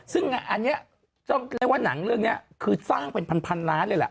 ซึ่งอันนี้ต้องเรียกว่าหนังเรื่องนี้คือสร้างเป็นพันล้านเลยล่ะ